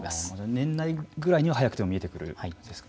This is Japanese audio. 年内ぐらいには早くても見えてくるわけですか。